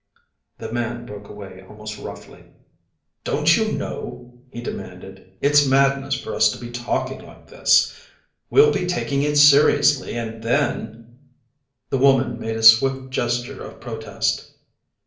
The man broke away almost roughly. "Don't you know," he demanded, "it's madness for us to be talking like this? We'll be taking it seriously, and then " The woman made a swift gesture of protest.